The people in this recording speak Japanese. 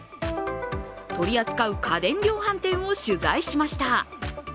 取り扱う家電量販店を取材しました。